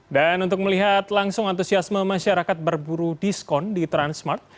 dan untuk melihat langsung antusiasme masyarakat berburu diskon di transmart